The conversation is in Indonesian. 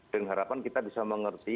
dengan harapan kita bisa mengerti